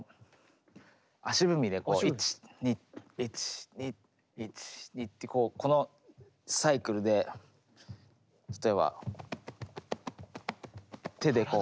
足踏みでこう１・２・１・２・１・２ってこのサイクルで例えば手でこう。